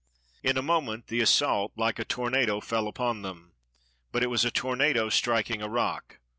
In a moment, the assault, like a tornado, fell upon them. But it was a tornado striking a rock.